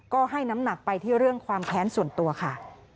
ก็ให้น้ำหนักไปที่เรื่องความแค้นส่วนตัวค่ะ